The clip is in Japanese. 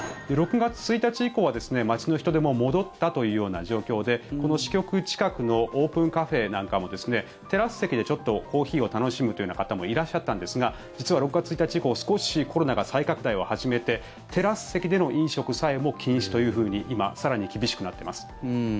６月１日以降は街の人出も戻ったというような状況でこの支局近くのオープンカフェなんかもテラス席でちょっとコーヒーを楽しむというような方もいらっしゃったんですが実は６月１日以降少しコロナが再拡大を始めてテラス席での飲食さえも禁止というふうに今、更に厳しくなってます。